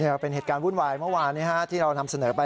นี่เป็นเหตุการณ์วุ่นวายเมื่อวานที่เรานำเสนอไป